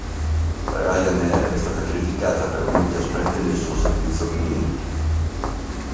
Ryanair è stata criticata per molti aspetti del suo servizio clienti.